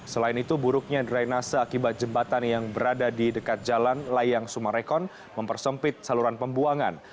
selain itu buruknya drainase akibat jembatan yang berada di dekat jalan layang sumarekon mempersempit saluran pembuangan